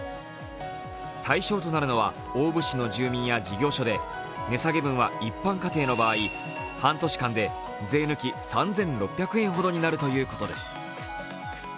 対象となるのは大府市の住民や事業所で値下げ分は一般家庭の場合半年間で税抜き３６００円ほどになるということです。